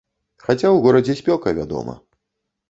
Хаця ў горадзе спёка, вядома.